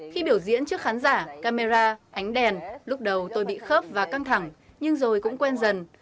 khi biểu diễn trước khán giả camera ánh đèn lúc đầu tôi bị khớp và căng thẳng nhưng rồi cũng quen dần